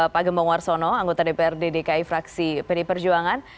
pak gembong warsono anggota dprd dki fraksi pd perjuangan